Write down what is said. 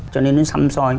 cho nên nó xăm xôi